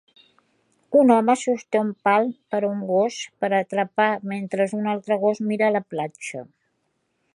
Un home sosté un pal per a un gos per atrapar mentre un altre gos mira a la platja